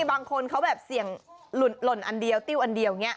บางคนเขาแบบเสี่ยงหล่นอันเดียวติ้วอันเดียวอย่างนี้